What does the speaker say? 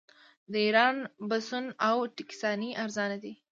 د ایران بسونه او ټکسیانې ارزانه دي.